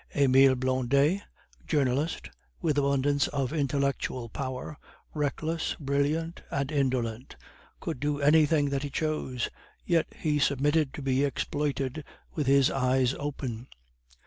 Emile Blondet, Journalist, with abundance of intellectual power, reckless, brilliant, and indolent, could do anything that he chose, yet he submitted to be exploited with his eyes open.